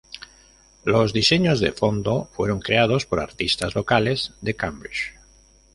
Los diseños de fondo fueron creados por artistas locales de Cambridge.